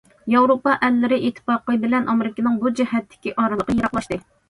ياۋروپا ئەللىرى ئىتتىپاقى بىلەن ئامېرىكىنىڭ بۇ جەھەتتىكى ئارىلىقى يىراقلاشتى.